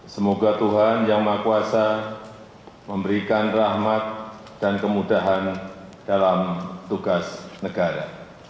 semoga tuhan yang maha kuasa memberikan rahmat dan kemudahan dalam tugas negara